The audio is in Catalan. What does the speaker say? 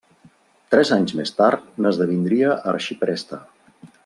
Tres anys més tard n'esdevindria arxipreste.